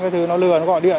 cái thứ nó lừa nó gọi điện